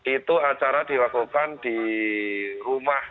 itu acara dilakukan di rumah